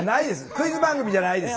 クイズ番組じゃないです。